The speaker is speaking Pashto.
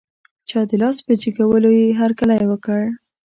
چا د لاس په جګولو یې هر کلی وکړ.